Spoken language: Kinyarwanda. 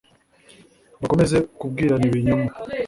bakomeze kubwirana ibinyoma